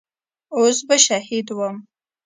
اوس به شهيد وم.